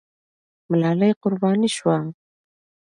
ملالۍ قرباني سوه.